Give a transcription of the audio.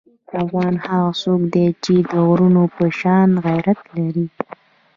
افغان هغه څوک دی چې د غرونو په شان غیرت لري.